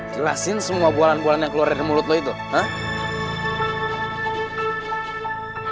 jelasin semua bualan bualan yang keluar dari mulutnya itu